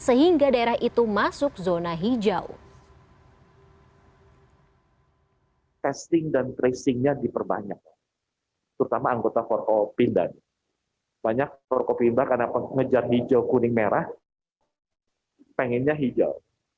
sehingga daerah itu masuk zona hijau